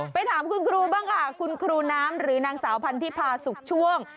ไปถามคุณครูบ้างค่ะคุณครูน้ำหรือนางสาวพันธิพาสุขช่วง